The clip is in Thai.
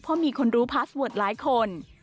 เพราะมีคนรู้พาสเวิร์ดหลายคน